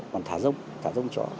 còn thả rông thả rông trỏ